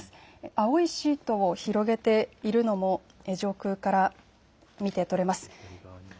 青いシートを広げているのも上空から見て取れます。